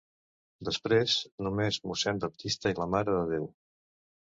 Després, només mossèn Baptista i la mare de Déu.